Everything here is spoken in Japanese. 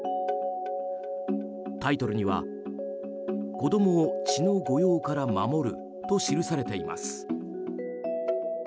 タイトルには「子供を血の誤用から守る」と記されています。